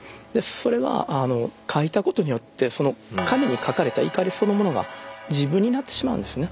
それは書いたことによってその紙に書かれた怒りそのものが自分になってしまうんですね。